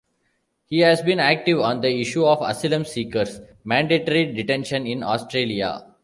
He has been active on the issue of asylum seekers' mandatory detention in Australia.